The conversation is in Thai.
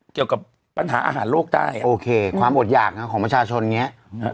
เกี่ยวกับปัญหาอาหารโลกได้โอเคความอดหยากนะของประชาชนอย่างเงี้ย